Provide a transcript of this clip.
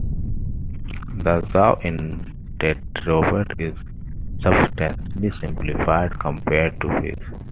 The jaw in tetrapods is substantially simplified compared to fish.